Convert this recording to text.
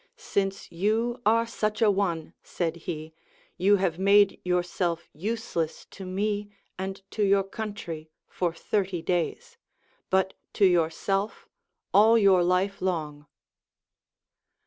Since you are such a one, said he, you have made yourself use less to me and to your country for thirty days, but to your self all your life long.